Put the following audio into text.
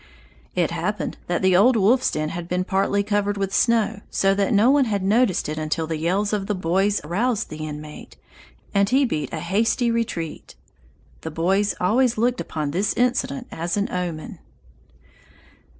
It happened that the wolf's den had been partly covered with snow so that no one had noticed it until the yells of the boys aroused the inmate, and he beat a hasty retreat. The boys always looked upon this incident as an omen.